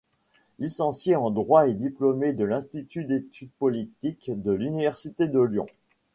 Licencié en Droit et diplômé de l'Institut d'Études Politiques de l'Université de Lyon.